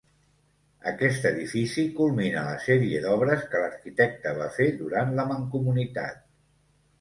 Aquest edifici culmina la sèrie d'obres que l'arquitecte va fer durant la Mancomunitat.